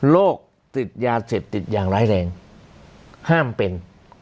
โรคติดยาเสพติดอย่างร้ายแรงห้ามเป็น